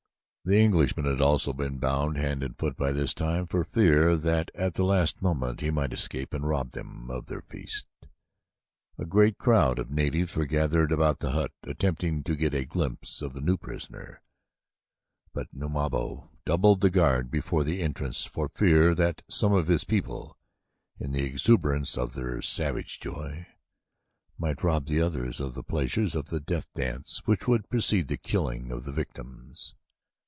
The Englishman had also been bound hand and foot by this time for fear that at the last moment he might escape and rob them of their feast. A great crowd of natives were gathered about the hut attempting to get a glimpse of the new prisoner, but Numabo doubled the guard before the entrance for fear that some of his people, in the exuberance of their savage joy, might rob the others of the pleasures of the death dance which would precede the killing of the victims.